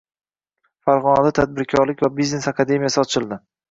Farg‘onada Tadbirkorlik va biznes akademiyasi ochildi